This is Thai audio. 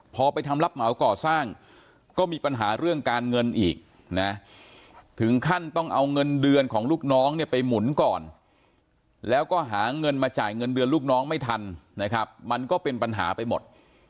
พอไปทำรับเหมาก่อสร้างก็มีปัญหาเรื่องการเงินอีกนะถึงขั้นต้องเอาเงินเดือนของลูกน้องเนี่ยไปหมุนก่อนแล้วก็หาเงินมาจ่ายเงินเดือนลูกน้องไม่ทันนะครับมันก็เป็นปัญหาไปหมด